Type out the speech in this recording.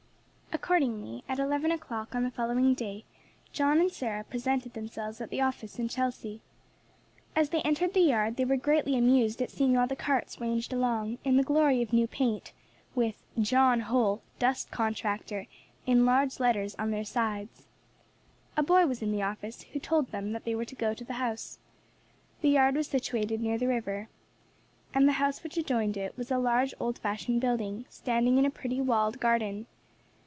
Accordingly, at eleven o'clock on the following day, John and Sarah presented themselves at the office at Chelsea. As they entered the yard they were greatly amused at seeing all the carts ranged along, in the glory of new paint, with "John Holl, Dust Contractor," in large letters on their sides. A boy was in the office, who told them that they were to go to the house. The yard was situated near the river, and the house which adjoined it was a large old fashioned building, standing in a pretty, walled garden.